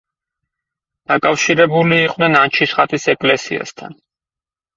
დაკავშირებული იყვნენ ანჩისხატის ეკლესიასთან.